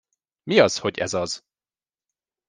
Mi az, hogy ez az?